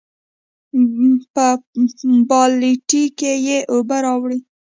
پۀ بالټي کښې ئې اوبۀ راوړې ـ